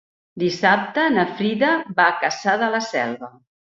Dissabte na Frida va a Cassà de la Selva.